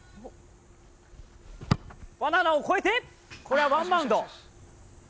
バナナを越えてこれはワンバウンド。